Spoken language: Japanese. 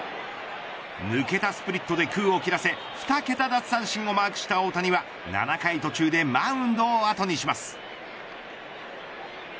抜けたスプリットで空を斬らせ２桁奪三振をマークした大谷は７回途中でマウンドを後にします。